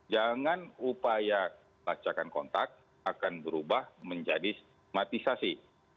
jangan upaya lacakan kontak akan berubah menjadi stimatisasi